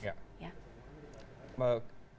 kenapa mesti anda berbicara